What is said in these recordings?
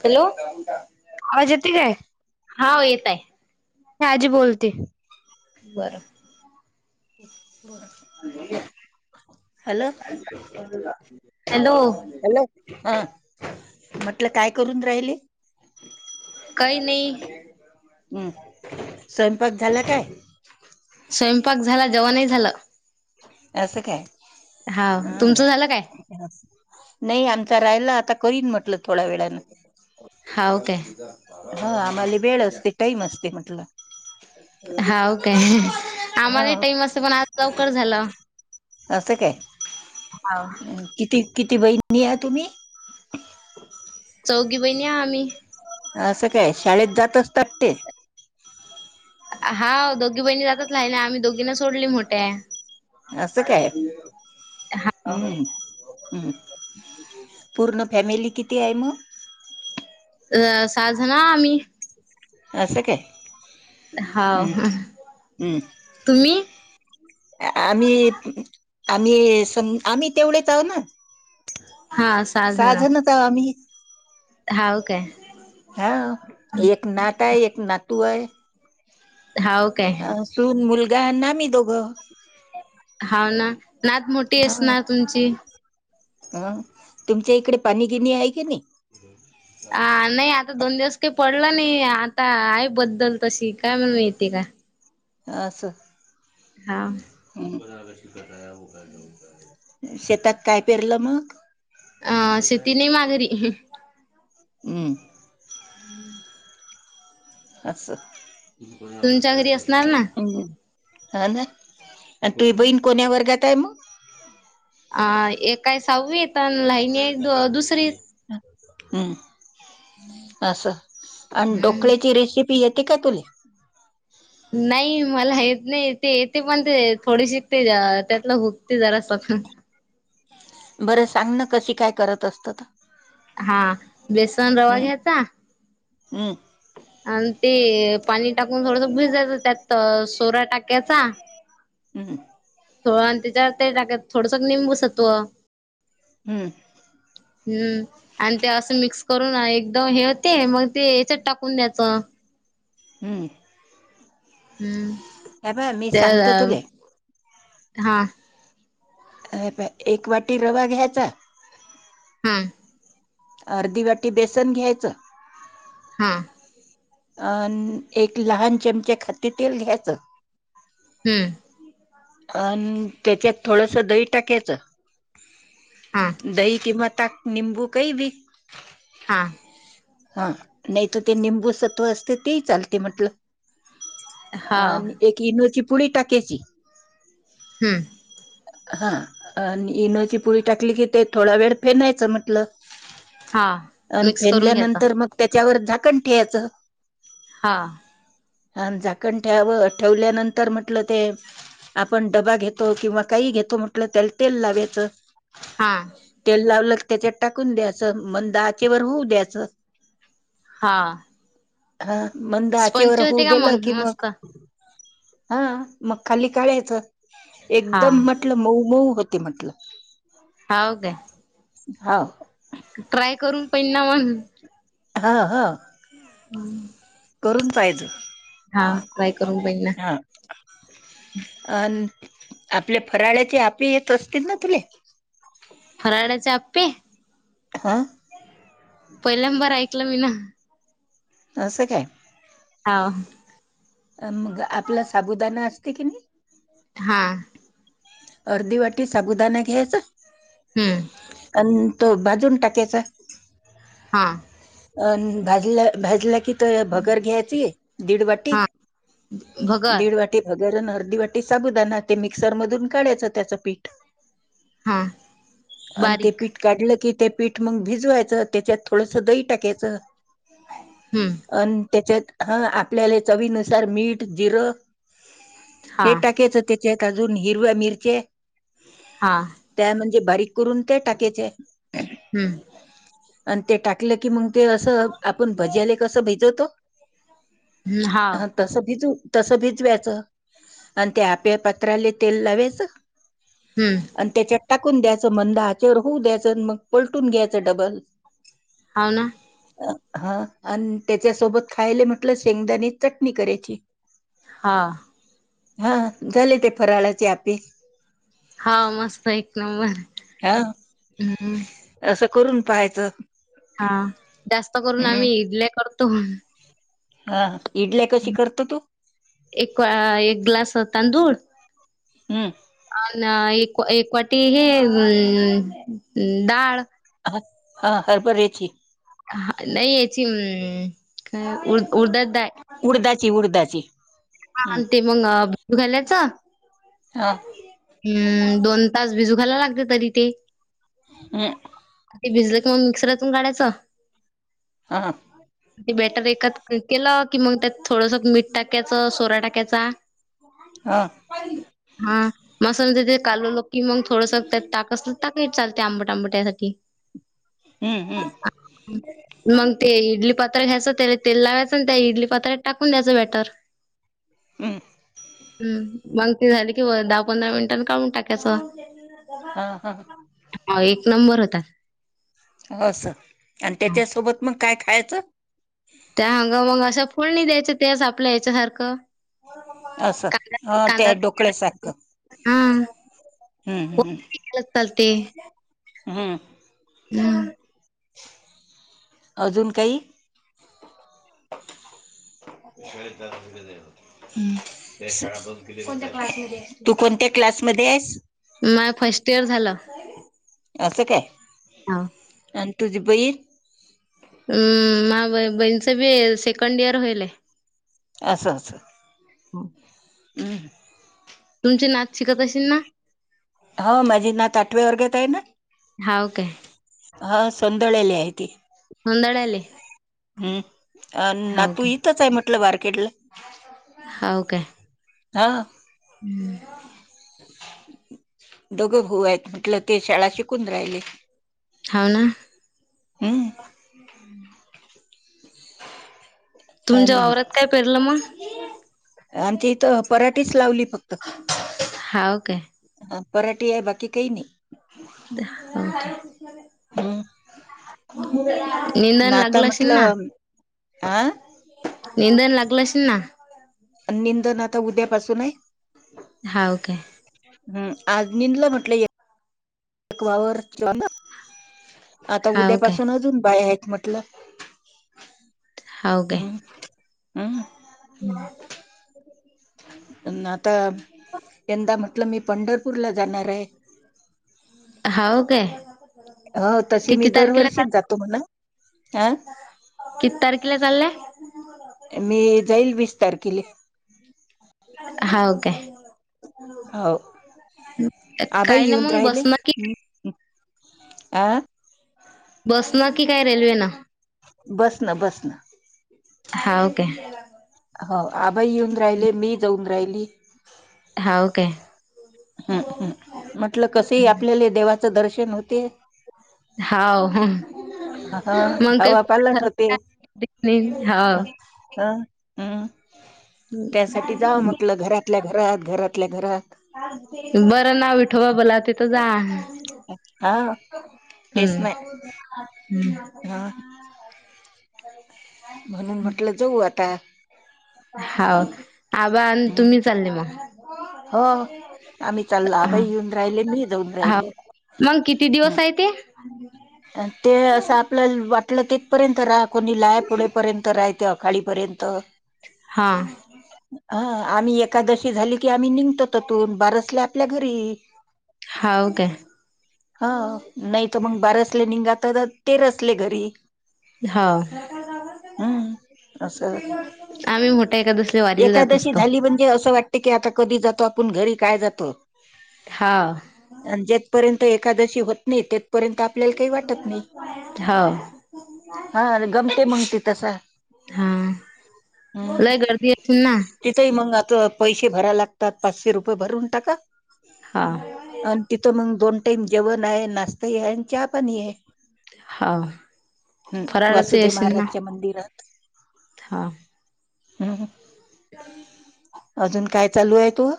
Hello आवाज येते हा येत आहे. हजी बोलते. बरं हम्म बोलूया हॅलो हॅलो हा म्हटलं काय करून राहिले. काय नाही. हम्म स्वयंपाक झाला काय? स्वयंपाक झाला जेवणही झालं. असं काय हा अं तुमचं झालं काय नाही आमचा राहायला आता करीन म्ह थोड्या वे हाव काय ह आम्हा वेळ असते टाईम असते. अठला हाव काय आम्हाला टाईम असत पण आज लवकर झालं अस स काय हा किती किती बहिणी या तुम्ही चौघी बहिणी या आम्ही असं काय शाळेत जातचतात ते. हा दोघी बहिणी जातच रा ना आम्ही दोघीना सोडली मोठ्या [inaudible] असं काय हम्म हम्म पूर्ण फॅमिली किती आहे मग. अ साध ना आम्ही. अ स काे हा तुम्ही आम्ही आम्ही स आम्ही तेवढेच आहो ना- हा सहा जण सहाजनच आम्ही हाव काय हा एक नात आहे एक नातू आहे हाव काय अ सून मुलगा ना आम्ही दोघ हाव ना नात मोठी आहे ना तुमचं? हा तुमच्या इकडे पाणी गिणी आहे की नाही हा नाही आता दोन दिवस काही पडला नाही आता आई बद्दल तर शिकाय म्हण येते का अस हा शेतात काय पेरलं मग अ शेती नाही मागरी हम्म. अस तुमच्या घरी असणार ना हा ना. आणि तु बन कोण्या वर्गात आहे म. अ ए काय सहावीेत आणि लहिनी एक द दुसरी. हम्म अस आणि हम्म डोकळेची रेसिपी. पी येते काय तुला. नाही मला येत नाही ते येते पण ते थोडे शिकते त्यातलं हुकते जरा स्वतः. ह. बरं सांग ना कशी काय करत असत तर. हा बेसन रवा हम्म घ्याचा. हम्म. आणि ते पाणी टाकून थोडस भुज जायचं त्यात सोडा टाक्याचा. हम्म. थोड आणि त्याच्यावर ते टाकत थोडस निंबूसत्व. हम्म. हम्म आणि ते असं मिक्स करून एकदम हे होते मग ते याच्यात टाकून द्यायचं. हम्म. हम्म. अ बा मी त्या सांगतो तुला. हा. अर प एक वाटी रवा घ्यायचा. हा अर्धी वाटी बेसन घ्यायचं. हम्म. अ एक लहान चमचे खादे तेल घ्यायचं हम्म अ त्यांच्यात थोडस दही टाकायचं हा दही किं तात निबू काही ब हा हा नाही तर ते निंबूसत्व असते तेही चालते म्हटलं हा आणि एक इनो ची पुडी टाक्याची हम्म हा आणि इनोची पुडी टाकली की ते थोडा वेळ फेनायचं म्हटलं हा अ मिक्स करून घ्यायचा फेडल्यानंतर मग त्यांच्यावर झाकण ठेवायचं हा ह झाकण ठेवल्यानंतर म्हटलं ते आपण डबा घेतो किंवा काही घेतो म्हटल त्याला तेल लावाच हा तेल लावल त्यांच्यात टाकून द्यायचं मग आचेवर होऊ द्यायचं हा हा मंद आचीवर स्पंच होऊ होते का दिलं की मग मस्त हा मग खाली का काढयचे हा एकदम म्हटलं मऊ मऊ होती म्हटलं हो का हा ट्राय करून पण ना म्हण हा हा हम् करून पाहिचे काय करून पहि ना [unintelligible] अ आपल्या फराळ्याचे आपी येत असतील ना तुले फराळाच्या आपे हा पहिल्यांबर ऐकलं मी ना अससं काय ह अ मग आपला साबुदाणा असते की नाही हा अर्धी वाटी साबुदाणा घ्यायचा हम्म आणि तो भाजून टाकायचा हा अं भाजला भाजला की भगर घ्यायची दीड वाटी हा भगर दीड वाटी गरण अर्धी वाटी साबुदाना ते मिक्सर मधून काढायचं त्याचं पीठ हा आणि ते बारीक पीठ काढलं की ते पीठ मग भिजवायचं त्यांच्यात थोडस दही टाकायचं हम्म अ त्यांच्यात हा आपल्याला चवीनुसार मीठ जिरं हा हे टाकायचं ते का अजून हिरव्या मिरचे हा ते बारीक करून ते टाकयचे हम्म आणि ते टाकलं की मग ते असं आपण भज्याले कसं भिजवतो हा तस भिजू तसं भिजवायचं आणि ते आप्या पात्राले तेल हम्म लावायचं आणि त्याच्या टाकुन द्यायचं मंद आचेवर होऊ द्यायचं मग पलटून घ्यायचं डबल होव ना हा आणि त्याच्यासोबत खायला म्हटलं शेंगदाणे चटणी करायची हा हा झाले ते फराळाची आप्पे हा मस्त एक नंबर हा हम् असं करून पाहायचं हा जास्त करून हम्म आम्ही इडल्या करतो. हा इडल्या कशी करतो तु एक एक ग्लास तांदूळ हम्म अन् एक एक वाटी हे अ डाळ हा हरभरेची हा नाही याची उडदाची डाळ उडदाची उडदाची हा हम्म ते मग भिजु घालायच हा हम् दोन तास भिजू घायला लागते तरी ते हम ते भिजले का मग मिक्सरातून काढायचं हा ते बॅटर एकात केलं की मग त्यात थोडसं मीठ टाकयचं सोडा टाकायचा हां मग समजा ते कालवलं की मग थोडसं ताक अस ताकही चालते आंबट आंबट यासाठी हम्म हम्म मग ते इडली पात्र घ्यायचं त्याला तेल लावायचं आणि त्या इडली पात्रात टाकून द्यायचं बॅटर हमं हम मग ते झाली कि वर दहा पंधरा मिनिटांन काढून टाकायचं हा हां हो एक नंबर होता असं आणि त्याच्यासोबत मग काय खायचं त्या हंग मग अशा फोडणी द्यायचं तेच आपल्या याच्या सारखं असं अ ते आहे ढोकळ्यासारखं हा हम्म हम हम् ल ते [unintelligible] हम्म हम् [inaudible] अजुन काही श्वर त्या त होत [unintelligible] हम्म [unintelligible] ण्या क्लास [unintelligible] तू कोणत्या क्लासमध्ये आहेस माहे फर्स्ट इयर झालं असं काय हां आणि तुझी बहीण हम्म माह्या बहीणचं बी सेकंड इयर होईल आहे अससं असं हम हं तुमची नात शिकत असेल ना हो माझी नात आठवे वर्गेत आहे ना. हाव काय हा संदळली आहे ती. संदळली हम्म नातू इथंच आहे म्हटलं मार्केटला. हो काय. हा हम्म [unintelligible] दोघं भाऊ आहेत म्हटलं ते शाळा शिकून राहिले. हाव ना हम्म तुमच्या वावरात काय पेरलं मग? आणि ते इथं पराठीेच लावली. फक्त हाव काय. पराठी आहे बाकी काही नाही. हम्म [inaudible] निंदन लागल नाता असेल ना? म्हटलं आ निंदन लागल असेल ना? निंदन आता उद्यापासून आहे. होऊ काय हम् आज निंदला म्हटलंय. एक वावर ना आता हाव काय उद्यापासून अजून बाया म्हटलं हाव हम् हम् ह आता यंदा म्हटलं मी पंढरपूरला जाणार आहे. हव काय हो तशी मी किती तारखेला दरवर्षीच चाल जातो म्हणा. किती तारखेला चालल्या? मी जाईल वीस तारखेले हाव काय हा काय आबा काय ना येऊन मग राहिले. बसनं की आ. बस नी की काय रेल्वे न. बस ना बस ना हाव काय. हो आबा येऊन राहिले मी जाऊन राहिली. हाव काय. हम्म हम् म्हटलं कस आपल्याला देवाचं दर्शन होते. हाव. हा मग हवा पालट होते. काही हो हम् त्यासाठी जाव म्हटलं घरातल्या घरात घरातल्या घरात. बरं नाव विठबा बला तिथं जा. हा तेच हम्म नाही हम्म. हा [inaudible] म्हणून म्हटलं जाऊ आता. हा आबा आणि हम्म तुम्ही चालले मग. हो. आम्ही चालला आबा हा येऊन राहिले मी जाऊन राहिले हाव मग किती हम. दिवस आहे ते? ते असं आपल्याला वाट आपलं तेथपर्यंत राहा कोणी लाय पुढेपर्यंत राहा ते आखाडीपर्यंत. हा. हा आम्ही एकादशी झाली की आम्ही निघतो तिथून बारसले आपल्या घरी. हाव काय [inaudible] हा नाही तर मग बारस निघाले ते असले तिरसला घरी. हा. हम्म. अस आम्ही मोठ्या एकादशीला वारीला जात एकादशी असतो. झाली म्हणजे असं वाटत की आता. कधी जातो आपण घरी काय जातो. हा. पर्यंत एकादशी होत नाही ते. पर्यंत आपल्याला काही वाटत नाही हाव हा गमते मंगते तसा. हा हम् लय गर्दी असेल ना? तिथंही मंग आ. पैसे भरा लागतात पाचशे रुपये भरून टाका हा आणि तिथ मग दोन. टाईम जेवण आहे नाश्ता आहे आणि चहा पाणी आहे. हाव हम् फराळाचं वासुदेव असेल ना? महाराजच्या मंदिरात. हा. हम् हम. [unintelligible] अजून काय चालू आहे तोह..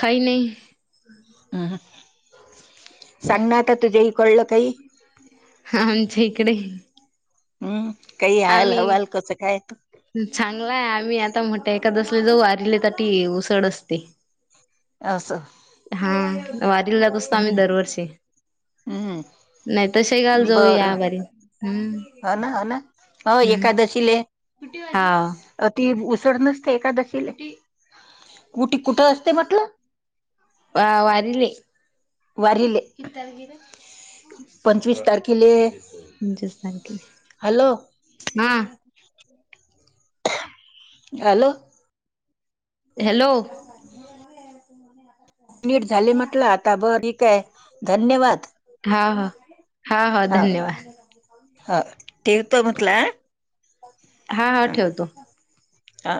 खाय नाही. ह. सांग ना आ तुझेही कळलं काही. आमच्या इकडे हम्म काय हाल आम्ही हवाल कस काय? चांगलाय आम्ही आता म्हणत एखादसले जाऊ दिले ताटी उसळ असते. असं. हा वारीला जात असतो आम्ही हम्म दरवर्षी. नाही तर शेगावला हम्म जाऊ बरं या वारी हम्म ह ना ह ना. हो हम्म एकादशीले हा ती.. सोडत नसते एदशीले कुटी कुठ असते म्हटलं. वा वारीले. वारीले [inaudible] पंचवीस तारखेले. पंचवीस तारखेले हॅलो ह. हॅलो. हॅलो. मिनिट झाले म्हटलं आता बर ठीक आहे धन्यवाद. हा हा हा हा ह धन्यवाद. ह ठतो म्हटलं हा हा ह. ठेवतो. हा.